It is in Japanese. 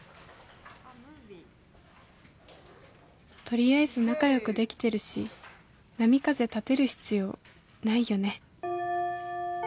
とりあえず仲よくできてるし波風立てる必要ないよね